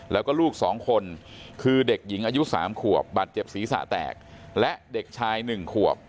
แล้วก็ลูก๒คนคือเด็กหญิงอายุ๓ขวบบาดเจ็บศีรษะแตกและเด็กชาย๑ขวบ